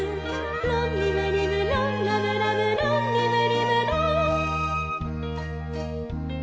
「ロンリムリムロンラムラムロンリムリムロン」